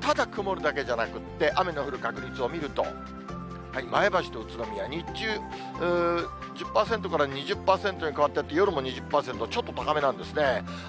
ただ、曇るだけじゃなくて、雨の降る確率を見ると、前橋と宇都宮、日中、１０％から２０％に変わってって、夜も２０％、ちょっと高めなんですね。